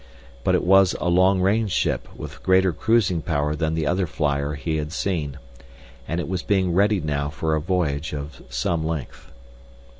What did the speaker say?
But it was a long range ship with greater cruising power than the other flyer he had seen. And it was being readied now for a voyage of some length.